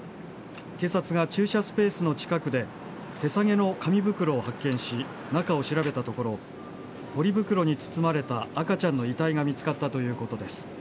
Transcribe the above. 警察が駐車スペースの近くで手提げの紙袋を発見し中を調べたところポリ袋に包まれた赤ちゃんの遺体が見つかったということです。